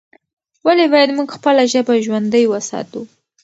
ولې باید موږ خپله ژبه ژوندۍ وساتو؟